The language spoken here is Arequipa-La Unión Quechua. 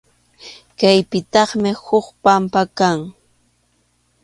Kaypitaqmi huk pampa kan.